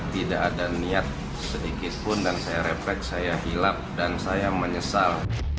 tidak ada niat sedikitpun dan saya refleks saya hilap dan saya menyesal